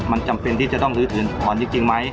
มันจำเป็นที่จะต้องลื้ออื่นอ่อนจริงไหม